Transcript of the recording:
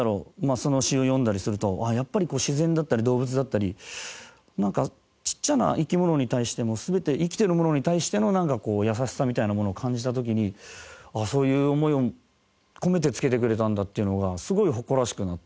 その詩を読んだりするとやっぱりこう自然だったり動物だったりなんかちっちゃな生き物に対しても全て生きてるものに対してのなんかこう優しさみたいなものを感じた時にそういう思いを込めて付けてくれたんだっていうのがすごい誇らしくなって。